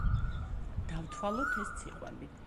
დავთვალოთ ეს ციყვები.